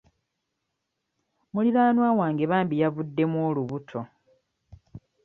Muliraanwa wange bambi yavuddemu olubuto.